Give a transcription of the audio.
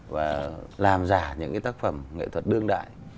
và làm giả những cái tác phẩm nghệ thuật đương đại